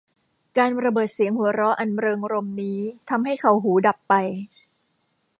การระเบิดเสียงหัวเราะอันเริงรมย์นี้ทำให้เขาหูดับไป